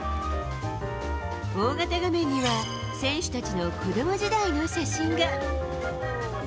大型画面には、選手たちの子ども時代の写真が。